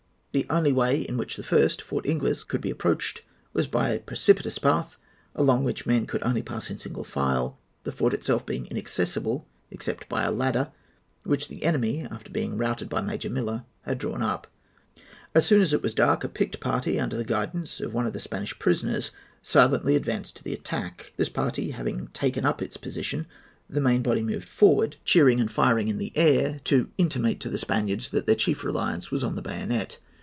The only way in which the first, Fort Ingles, could be approached, was by a precipitous path, along which the men could only pass in single file, the fort itself being inaccessible except by a ladder, which the enemy, after being routed by Major Miller, had drawn up. "As soon as it was dark, a picked party, under the guidance of one of the Spanish prisoners, silently advanced to the attack. This party having taken up its position, the main body moved forward, cheering and firing in the air, to intimate to the Spaniards that their chief reliance was on the bayonet.